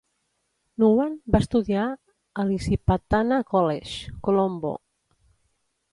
Nuwan va estudiar a l'Isipathana College, Colombo.